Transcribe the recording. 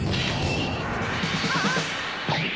あっ！